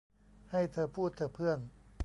ให้เธอพูดเถอะเพื่อน